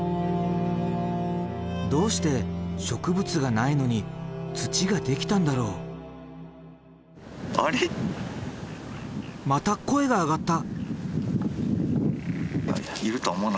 どうして植物がないのに土ができたんだろう？また声が上がった。